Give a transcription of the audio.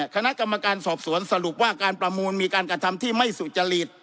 คณะกรรมการสอบสวนสรุปว่าการประมูลมีการกระทำที่ไม่สุจริต